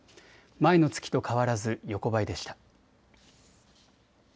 前の月と変わらず横ばいでした。